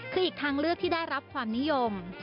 คืออีกทางเลือกที่ได้รับความนิยม